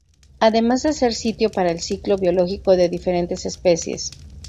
Además de ser sitio para el ciclo biológico de diferentes especies.